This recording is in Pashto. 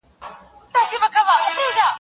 ده په خپل سپین موټر کې اوږد سفر کاوه.